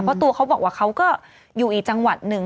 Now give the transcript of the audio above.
เพราะตัวเขาบอกว่าเขาก็อยู่อีกจังหวัดหนึ่ง